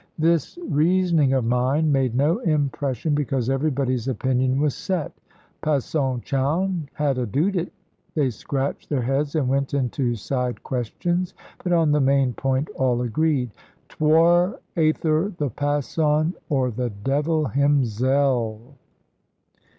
This reasoning of mine made no impression, because everybody's opinion was set. "Passon Chowne had adooed it;" they scratched their heads and went into side questions, but on the main point all agreed "'twor ayther the Passon or the devil himzell."